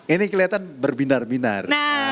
ini kelihatan berbinar binar